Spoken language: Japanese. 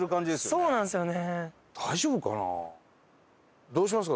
そうなんですよね。